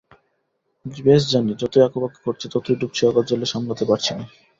বেশ জানি যতই আঁকুবাঁকু করছি ততই ডুবছি অগাধ জলে, সামলাতে পারছি নে।